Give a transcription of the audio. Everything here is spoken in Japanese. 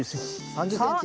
３０ｃｍ。